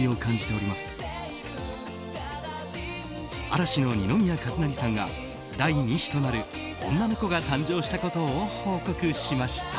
嵐の二宮和也さんが第２子となる女の子が誕生したことを報告しました。